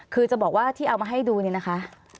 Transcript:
คือจะบอกว่าที่เอามาให้ดูเนี่ยนะคะ